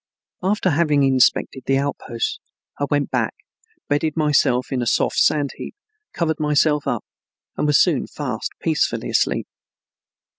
After having inspected the outposts, I went back, bedded myself in a soft sand heap, covered myself up, and was soon fast and peacefully asleep.